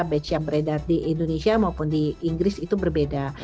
batch yang beredar di indonesia maupun di inggris itu berbeda